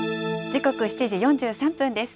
時刻７時４３分です。